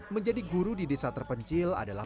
menjadi guru di desa terpencil adalah